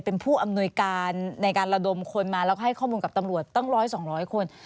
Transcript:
เป็นผู้อำนวยการในการระดมคนมาแล้วก็ให้ข้อมูลกับตำรวจตั้ง๑๐๐๒๐๐คน